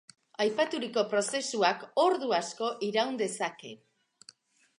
Aipaturiko prozesuak ordu asko iraun dezake.